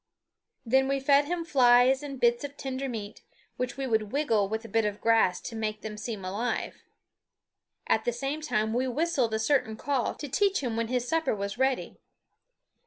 Then we fed him flies and bits of tender meat, which we would wiggle with a bit of grass to make them seem alive. At the same time we whistled a certain call to teach him when his supper was ready.